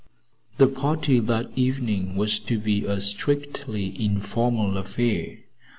The party that evening was to be a strictly informal affair.